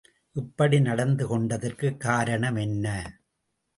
இப்படி நடந்து கொண்டதற்குக் காரணம் என்ன?